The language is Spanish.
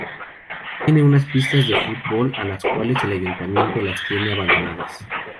Tiene unas pistas de fútbol a las cuáles el ayuntamiento las tiene abandonadas.